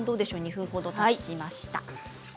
２分ほどたちました。